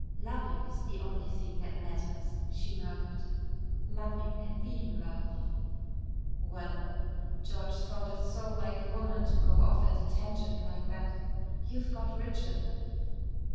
"Loving is the only thing that matters," she murmured, "loving and being loved." "Well," (George thought it so like a woman to go off at a tangent like that), "you've got Richard."